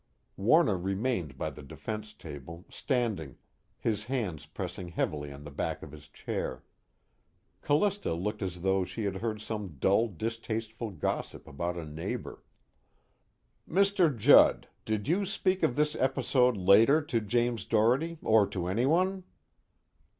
Warner remained by the defense table, standing, his hands pressing heavily on the back of his chair. Callista looked as though she had heard some dull distasteful gossip about a neighbor. "Mr. Judd, did you speak of this episode later to James Doherty or to anyone?"